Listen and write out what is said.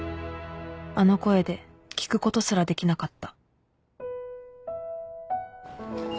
あの声で聞くことすらできなかった